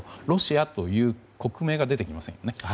ロシアという国名が出てきませんよね。